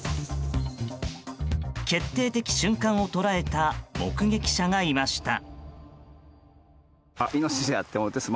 決定的瞬間を捉えた目撃者がいました。